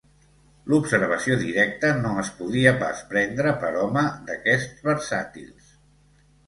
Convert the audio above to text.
L'observació directa, no es podia pas prendre per home d'aquests versàtils